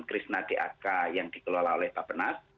krishna dak yang dikelola oleh tapenas